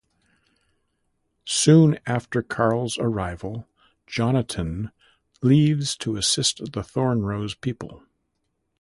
Soon after Karl's arrival, Jonatan leaves to assist the Thorn Rose people.